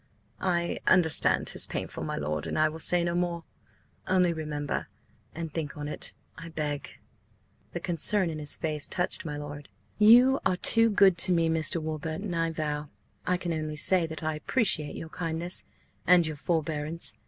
"I understand 'tis painful, my lord, and I will say no more. Only remember–and think on it, I beg!" The concern in his face touched my lord. "You are too good to me, Mr. Warburton, I vow. I can only say that I appreciate your kindness–and your forbearance.